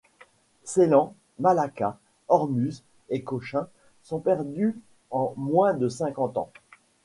Ceylan, Malacca, Ormuz et Cochin sont perdues en moins de cinquante ans.